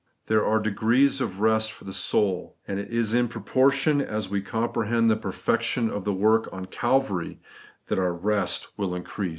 There are degrees of rest for the soul, and it is in proportion as we comprehend the perfection of tlio work on Calvary that our rest will increase.